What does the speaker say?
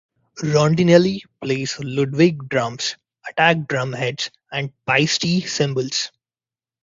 Rondinelli plays Ludwig drums, Attack drumheads, and Paiste cymbals.